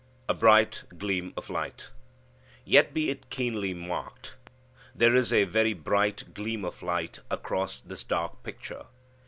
A Bright Gleam of Light. Yet be it keenly marked, there is a very bright gleam of light across this dark picture.